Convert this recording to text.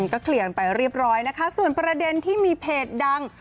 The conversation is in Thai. ก็เคลียร์กันไปเรียบร้อยนะคะส่วนประเด็นที่มีเพจดัง